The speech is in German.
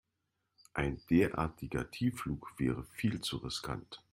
Ein derartiger Tiefflug wäre viel zu riskant.